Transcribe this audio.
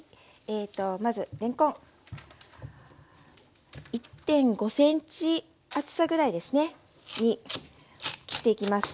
まずれんこん１．５ｃｍ厚さぐらいですねに切っていきます。